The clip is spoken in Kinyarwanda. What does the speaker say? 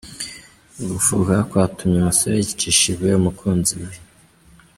gufuha kwatumye uyu musore yicisha ibuye umukunzi we.